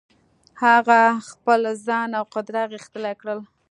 هغه خپل ځان او قدرت غښتلي کړل.